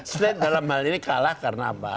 selain dalam hal ini kalah karena apa